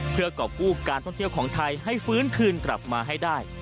เพื่อกรอบกู้การท่องเที่ยวของไทยให้ฟื้นคืนกลับมาให้ได้